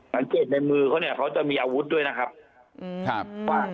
อย่างเกิดในมือเขาเนี่ยเขาจะมีอาวุธด้วยนะครับครับ